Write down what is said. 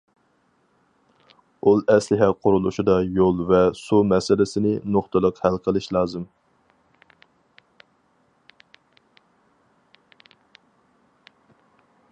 ئۇل ئەسلىھە قۇرۇلۇشىدا يول ۋە سۇ مەسىلىسىنى نۇقتىلىق ھەل قىلىش لازىم.